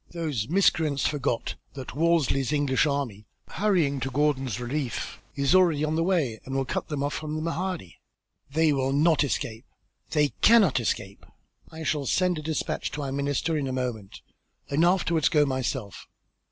"Those miscreants forgot that Wolseley's English army, hurrying to Gordon's relief, is already on the way and will cut them off from the Mahdi. They will not escape. They cannot escape. I shall send a despatch to our minister in a moment, and afterwards go myself.